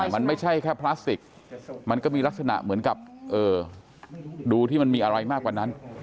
มันไม่ใช่แค่พลาสติกมันก็มีลักษณะเหมือนกับดูที่มันมีอะไรมากกว่านั้น